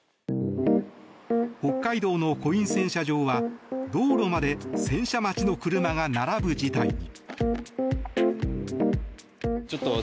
北海道のコイン洗車場は道路まで洗車待ちの車が並ぶ事態に。